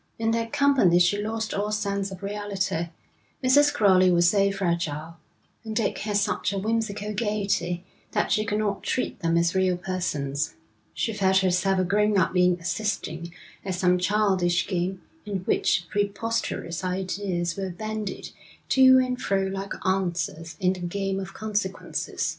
In their company she lost all sense of reality; Mrs. Crowley was so fragile, and Dick had such a whimsical gaiety, that she could not treat them as real persons. She felt herself a grown up being assisting at some childish game in which preposterous ideas were bandied to and fro like answers in the game of consequences.